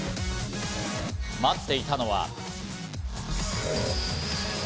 待っていたのは。